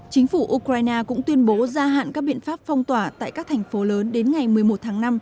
chính phủ ukraine cũng tuyên bố gia hạn các biện pháp phong tỏa tại các thành phố lớn đến ngày một mươi một tháng năm